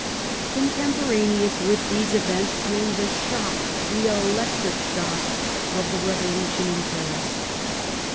Contemj)oraneous with these events came the shock, the electric shock, of the revolution in Paris.